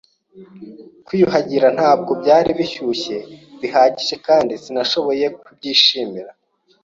Kwiyuhagira ntabwo byari bishyushye bihagije kandi sinashoboye kubyishimira.